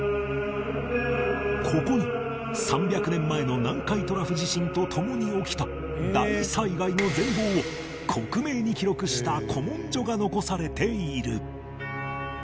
ここに３００年前の南海トラフ地震と共に起きた大災害の全貌を克明に記録した古文書が残されている